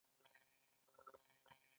آیا بانکوال سپارونکو ته هم درې سلنه ګټه ورکوي